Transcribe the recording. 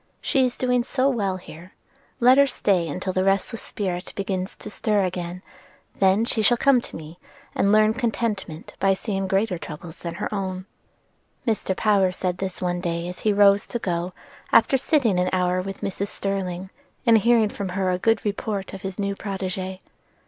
She is doing so well here, let her stay till the restless spirit begins to stir again; then she shall come to me and learn contentment by seeing greater troubles than her own." Mr. Power said this one day as he rose to go, after sitting an hour with Mrs. Sterling, and hearing from her a good report of his new protegee.